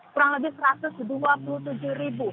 kurang lebih satu ratus dua puluh tujuh ribu